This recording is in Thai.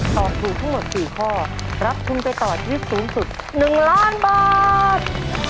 ตอบถูกทั้งหมด๔ข้อรับทุนไปต่อชีวิตสูงสุด๑ล้านบาท